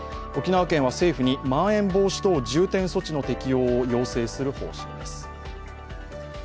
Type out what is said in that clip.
沖縄県は政府にまん延防止等重点措置の適用を要請する方針です。